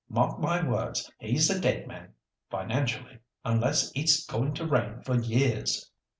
Mark my words; he's a dead man (financially) unless it's going to rain for years."